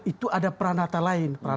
itu ada peranata lain